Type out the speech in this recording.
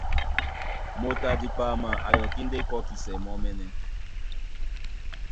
Moto a dipama a yɔkí ndé kɔ́kisɛ mɔ́mɛ́nɛ́.